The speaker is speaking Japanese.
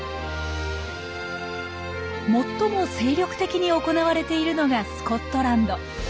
最も精力的に行われているのがスコットランド。